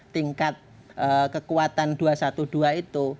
tingkat kekuatan dua ratus dua belas itu